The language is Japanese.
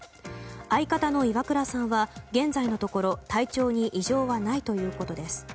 相方のイワクラさんは現在のところ体調に異常はないということです。